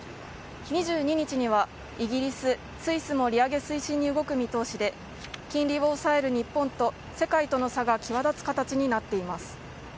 ２２日にはイギリス、スイスも利上げ推進に動く見通しで金利を抑える日本と世界との差が際立つ形になっています。